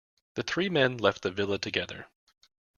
The three men left the Villa together.